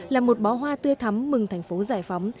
là một bó hoa tươi thắm mừng thành phố giải phóng